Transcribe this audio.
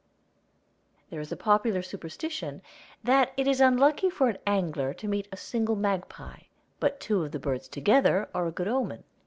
There is a popular superstition that it is unlucky for an angler to meet a single magpie, but two of the birds together are a good omen.